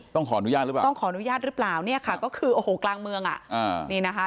ต้องขอนุญาตหรือเปล่าเนี่ยค่ะก็คือกลางเมืองนี่นะคะ